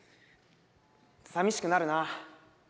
さみしくなるな。